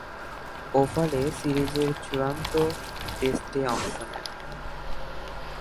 ওভালে সিরিজের চূড়ান্ত টেস্টে অংশ নেন।